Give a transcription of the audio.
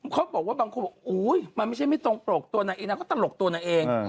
เขาบอกว่าบางคนบอกอุ๊ยมันไม่ใช่ไม่ตรงปลกตัวนางเองนางก็ตลกตัวนางเอง